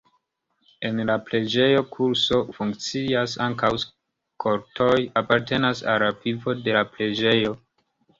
En la preĝejo koruso funkcias, ankaŭ skoltoj apartenas al vivo de la preĝejo.